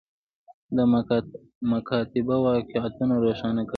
دا مکاتبه واقعیتونه روښانه کوي.